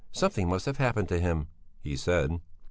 Something must have happened to him," he said.